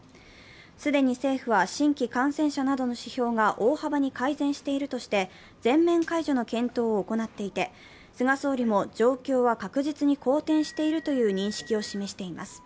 既に政府は新規感染者などの指標が大幅に改善しているとして、全面解除の検討を行っていて菅総理も状況は確実に好転しているという認識を示しています。